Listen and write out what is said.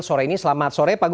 sore ini selamat sore pak gus